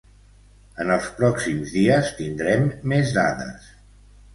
En els pròxims dies tindrem més dades.